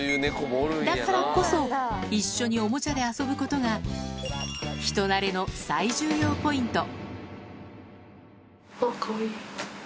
だからこそ、一緒におもちゃで遊ぶことが、人なれの最重要ポイント。